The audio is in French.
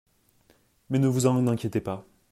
Mais ne vous en inquiétez pas.